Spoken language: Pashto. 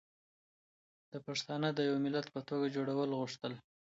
ده پښتانه د يو ملت په توګه جوړول غوښتل